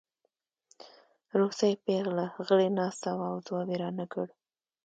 روسۍ پېغله غلې ناسته وه او ځواب یې رانکړ